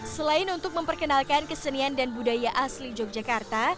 selain untuk memperkenalkan kesenian dan budaya asli yogyakarta